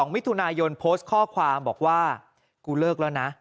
มิถุนายนโพสต์ข้อความบอกว่ากูเลิกแล้วนะ